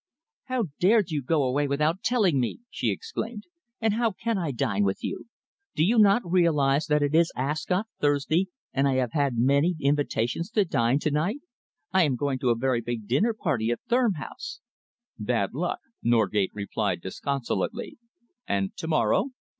"How dared you go away without telling me!" she exclaimed. "And how can I dine with you? Do you not realise that it is Ascot Thursday, and I have had many invitations to dine to night? I am going to a very big dinner party at Thurm House." "Bad luck!" Norgate replied disconsolately. "And to morrow?"